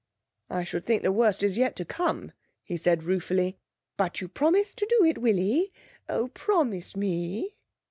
'I should think the worst is yet to come,' said he ruefully. 'But you promise to do it, Willie? Oh, promise me?'